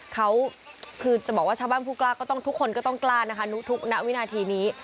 เขาคือจะบอกว่าชาวบ้านผู้กล้าก็ต้องทุกคนก็ต้องกล้านะคะทุกณวินาทีนี้